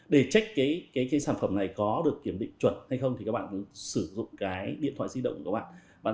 để check cái sản phẩm này có được kiểm định chuẩn hay không thì các bạn sử dụng cái điện thoại di động của các bạn